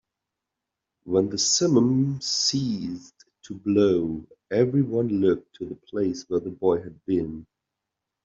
When the simum ceased to blow, everyone looked to the place where the boy had been.